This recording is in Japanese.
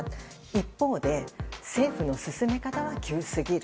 一方で、政府の進め方は急すぎる。